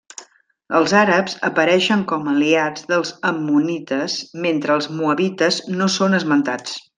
Els àrabs apareixen com aliats dels ammonites mentre els moabites no són esmentats.